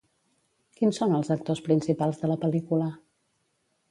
Quins són els actors principals de la pel·lícula?